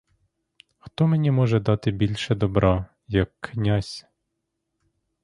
Хто мені може дати більше добра, як князь?